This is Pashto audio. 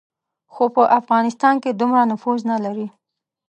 خو په افغانستان کې دومره نفوذ نه لري.